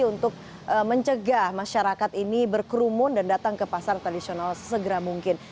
untuk mencegah masyarakat ini berkerumun dan datang ke pasar tradisional sesegera mungkin